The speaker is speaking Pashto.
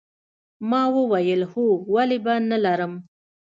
ما وویل هو ولې به نه لرم